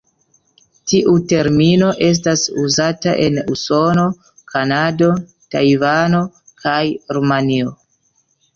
Tiu termino estas uzata en Usono, Kanado, Tajvano kaj Rumanio.